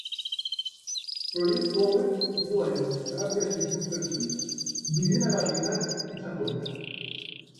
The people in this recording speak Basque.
Proiektu hauek diruaren eta artearen ikuspegitik bideragarrienak izango dira.